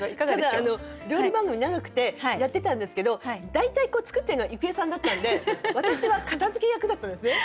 ただ料理番組長くてやってたんですけど大体作ってるの郁恵さんだったんで私は片づけ役だったんですね。